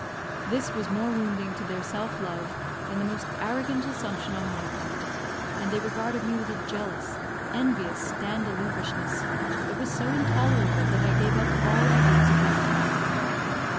This was more wounding to their self love than the most arrogant assumption on my part; and they regarded me with a jealous, envious stand a loofishness, that was so intolerable that I gave up all ideas of visiting them.